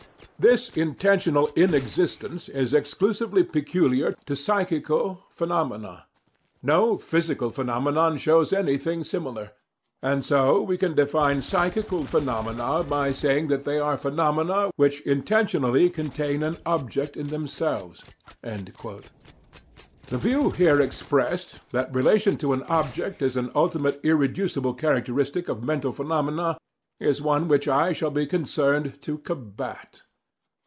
"This intentional inexistence is exclusively peculiar to psychical phenomena. No physical phenomenon shows anything similar. And so we can define psychical phenomena by saying that they are phenomena which intentionally contain an object in themselves." The view here expressed, that relation to an object is an ultimate irreducible characteristic of mental phenomena, is one which I shall be concerned to combat.